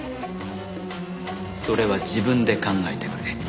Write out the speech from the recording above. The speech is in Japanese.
それは自分で考えてくれ。